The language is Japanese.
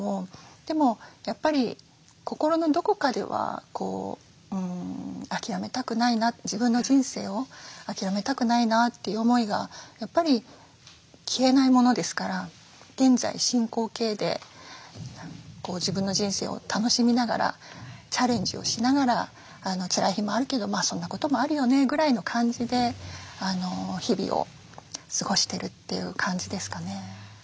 でもやっぱり心のどこかでは諦めたくないな自分の人生を諦めたくないなという思いがやっぱり消えないものですから現在進行形で自分の人生を楽しみながらチャレンジをしながら「つらい日もあるけどそんなこともあるよね」ぐらいの感じで日々を過ごしてるという感じですかね。